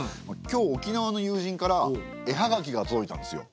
今日沖縄の友人から絵ハガキが届いたんですよ。